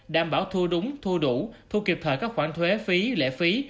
đảm bảo thu đúng thu đủ thu kịp thời các khoản thuế phí lễ phí